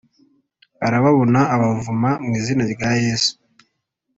arababona abavuma mwizina rya yesu